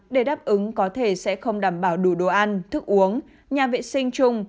để đáp ứng có thể sẽ không đảm bảo đủ đồ ăn thức uống nhà vệ sinh chung